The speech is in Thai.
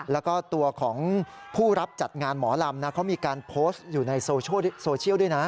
แล้วก็ตัวของผู้รับจัดงานหมอลำนะเขามีการโพสต์อยู่ในโซเชียลด้วยนะ